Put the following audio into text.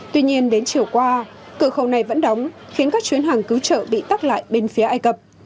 tuy nhiên đến chiều qua cửa khẩu này vẫn đóng khiến các chuyến hàng cứu trợ bị tắt lại bên phía ai cập